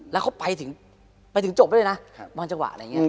แล้วเขาไปถึงจบด้วยนะมันจะหวังอะไรอย่างนี้